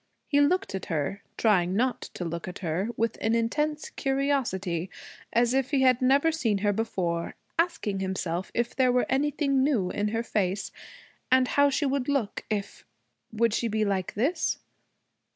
He looked at her, trying not to look at her, with an intense curiosity, as if he had never seen her before, asking himself if there were anything new in her face, and how she would look if Would she be like this?